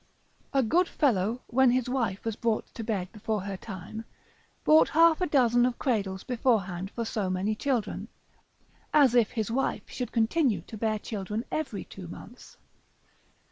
A good fellow, when his wife was brought to bed before her time, bought half a dozen of cradles beforehand for so many children, as if his wife should continue to bear children every two months.